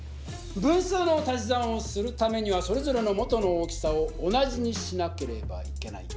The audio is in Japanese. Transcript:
分数の足し算をするためにはそれぞれの元の大きさを同じにしなければいけない。